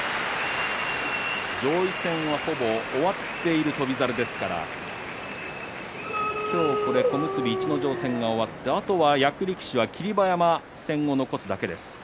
上位戦はほぼ終わっている翔猿ですから今日、小結逸ノ城戦が終わって役力士は霧馬山戦を残すだけです。